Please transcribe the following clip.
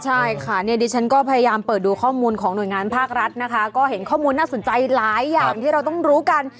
ใช่ค่ะเนี่ยดิฉันก็พยายามเปิดดูข้อมูลของหน่วยงานภาครัฐนะคะก็เห็นข้อมูลน่าสนใจหลายอย่างที่เราต้องรู้กัน